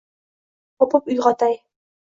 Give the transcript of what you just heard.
O’pib uyg’otay.